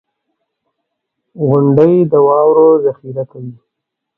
• غونډۍ د واورو ذخېره کوي.